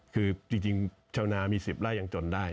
คือจริงชาวนามี๑๐ไร่ยังจนได้